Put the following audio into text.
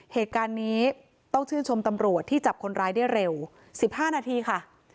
เหตุการณ์นี้ต้องชื่นชมตำรวจที่จับคนร้ายได้เร็ว๑๕นาทีค่ะ